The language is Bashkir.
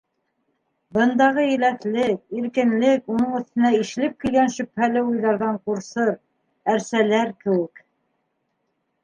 Бындағы еләҫлек, иркенлек уның өҫтөнә ишелеп килгән шөбһәле уйҙарҙан ҡурсыр, әрсәләр кеүек...